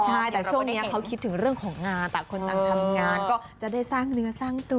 ใช่แต่ช่วงนี้เขาคิดถึงเรื่องของงานต่างคนต่างทำงานก็จะได้สร้างเนื้อสร้างตัว